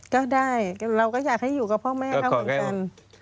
ก็ได้เราก็อยากให้อยู่กับพ่อแม่เขาเหมือนกัน